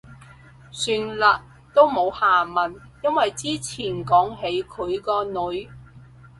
算喇，都冇下文。因為之前講起佢個女